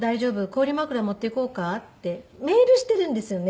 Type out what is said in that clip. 氷枕持っていこうか？」ってメールしているんですよね